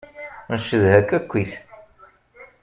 Ncedha-k akkit.